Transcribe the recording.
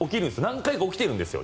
何回か起きてるんですよ。